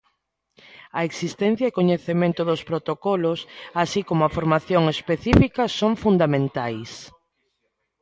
A existencia e coñecemento dos protocolos, así como a formación específica son fundamentais.